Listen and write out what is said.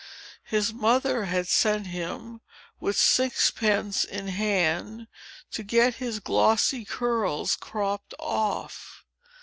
His mother had sent him, with sixpence in his hand, to get his glossy curls cropped off.